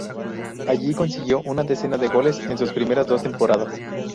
Allí consiguió una decena de goles en sus primeras dos temporadas.